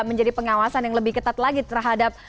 menjadi pengawasan yang lebih ketat lagi terhadap